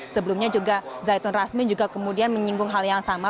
sebelumnya juga zaitun rasmin juga kemudian menyinggung hal yang sama